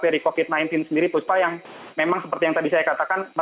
rp sepuluh juta penerima